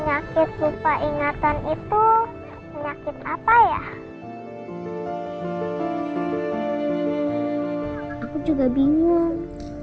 aku juga bingung